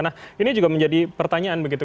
nah ini juga menjadi pertanyaan begitu